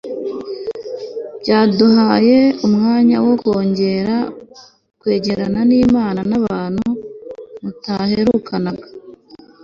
byaduhaye umwanya wo kongera kwegerana n'imana n'abantu mutaherukanaga